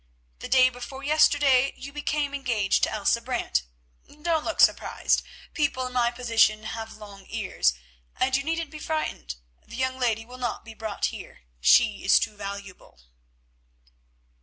The day before yesterday you became engaged to Elsa Brant—don't look surprised; people in my position have long ears, and you needn't be frightened, the young lady will not be brought here; she is too valuable."